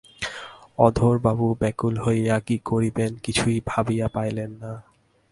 অধরবাবু ব্যাকুল হইয়া কী করিবেন কিছুই ভাবিয়া পাইলেন না।